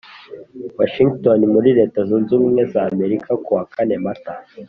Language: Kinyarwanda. Washingitoni muri Leta Zunze Ubumwe za Amerika kuwa kane Mata